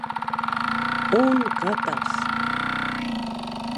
Un gatavs!